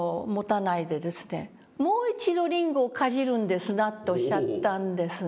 「もう一度りんごをかじるんですな」とおっしゃったんですね。